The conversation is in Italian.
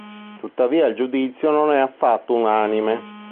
Tuttavia il giudizio non è stato affatto unanime.